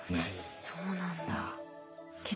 そうなんだ。